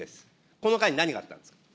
この間に何があったんですか。